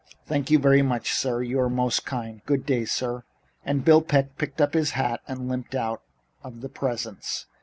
"Thank you very much, sir. You are most kind. Good day, sir." And Bill Peck picked up his hat and limped out of The Presence.